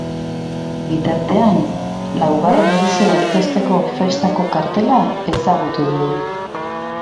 Bitartean, laugarren edizioa aurkezteko festako kartela ezagutu dugu.